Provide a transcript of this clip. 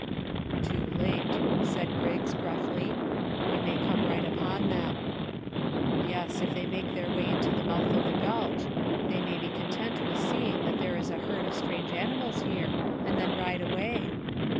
"Too late," said Griggs gruffly; "we may come right upon them." "Yes, if they make their way to the mouth of the gulch. They may be content with seeing that there is a herd of strange animals here, and then ride away."